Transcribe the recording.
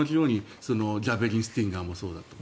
ジャベリン、スティンガーもそうだと。